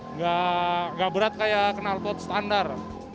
nggak berat kayak kenalpot standar